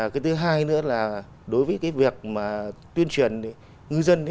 cái thứ hai nữa là đối với việc tuyên truyền ngư dân